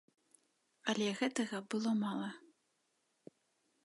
Але гэтага было мала.